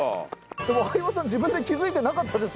でも相葉さん自分で気付いてなかったですよね？